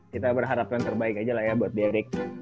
kita berharapkan terbaik aja lah ya buat derick